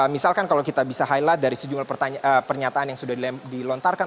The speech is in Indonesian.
misalkan kalau kita bisa highlight dari sejumlah pernyataan yang sudah dilontarkan